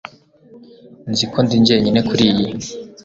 Nzi ko ndi jyenyine kuriyi